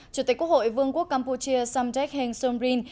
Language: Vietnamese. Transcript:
chủ tịch quốc hội vương quốc campuchia samdek heng somrin